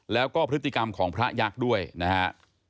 แล้วก็พฤติกรรมของพระยักษ์ด้วยนะฮะ